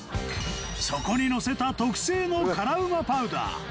そこにのせた特製の辛ウマパウダー